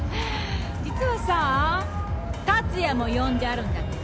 実はさ達也も呼んであるんだけど。